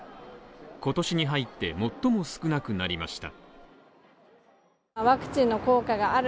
今年に入って最も少なくなりました。